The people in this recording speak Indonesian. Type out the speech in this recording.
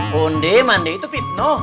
punde mandi itu fitno